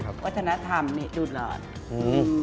เขามีหลอดง่ายดูดหลอดสิ